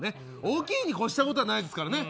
大きいに越したことはないですから。